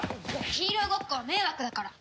ヒーローごっこは迷惑だから。